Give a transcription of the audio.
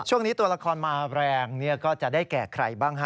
ช่วงนี้ตัวละครมาแรงก็จะได้แก่ใครบ้างฮะ